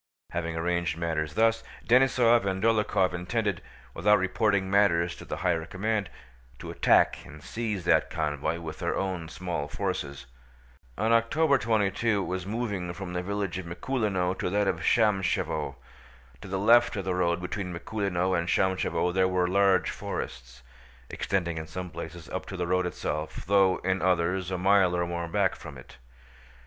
Having arranged matters thus, Denísov and Dólokhov intended, without reporting matters to the higher command, to attack and seize that convoy with their own small forces. On October 22 it was moving from the village of Mikúlino to that of Shámshevo. To the left of the road between Mikúlino and Shámshevo there were large forests, extending in some places up to the road itself though in others a mile or more back from it.